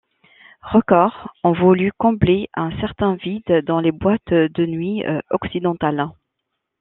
Records ont voulu combler un certain vide dans les boîtes de nuits occidentales.